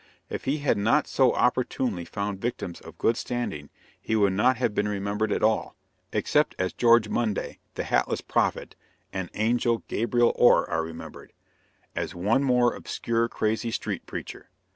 If he had not so opportunely found victims of good standing, he would not have been remembered at all, except as George Munday, the "hatless prophet," and "Angel Gabriel Orr," are remembered as one more obscure, crazy street preacher.